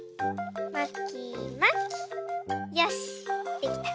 よしできた！